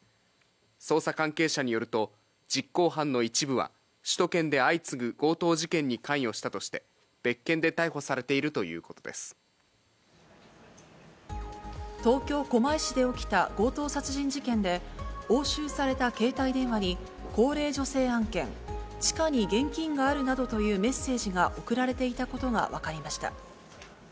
捜査関係者によると、実行犯の一部は首都圏で相次ぐ強盗事件に関与したとして、別件で東京・狛江市で起きた強盗殺人事件で、押収された携帯電話に、高齢女性案件、地下に現金があるなどというメッセージが送られていたことが分かりました。